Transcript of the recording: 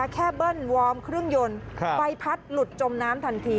เบิ้ลวอร์มเครื่องยนต์ใบพัดหลุดจมน้ำทันที